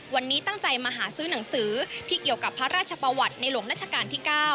วันนี้ตั้งใจมาหาซื้อหนังสือที่เกี่ยวกับพระราชประวัติในหลวงรัชกาลที่๙